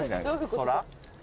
空？